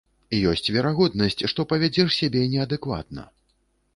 Ёсць верагоднасць, што павядзеш сябе неадэкватна.